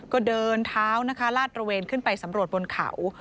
ก็เดินเท้านะคะลาดตระเวนขึ้นไปสำรวจบนเขา